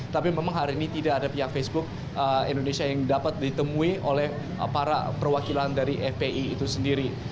tapi memang hari ini tidak ada pihak facebook indonesia yang dapat ditemui oleh para perwakilan dari fpi itu sendiri